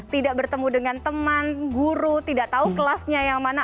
tidak bertemu dengan teman guru tidak tahu kelasnya yang mana